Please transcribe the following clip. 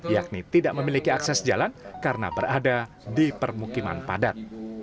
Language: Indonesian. yakni tidak memiliki akses jalan karena berada di permukiman padat